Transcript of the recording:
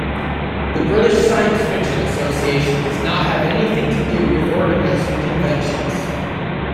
The British Science Fiction Association does not have anything to do with organising conventions.